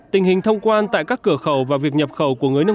tình hình thông quan tại các cửa khẩu và việc nhập khẩu của người nông dân